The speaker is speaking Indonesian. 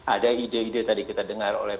ada ide ide tadi kita dengar oleh